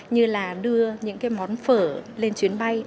như là đưa những cái món phở lên chuyến bay